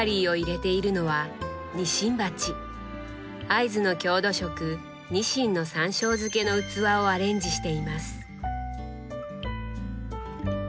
会津の郷土食鰊のさんしょう漬けの器をアレンジしています。